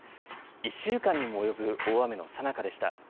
１週間にも及ぶ大雨のさなかでした。